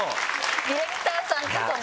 ディレクターさんとかも。